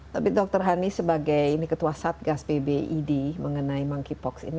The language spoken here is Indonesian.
tapi dr hani sebagai ini ketua satgas pbid mengenai monkeypox ini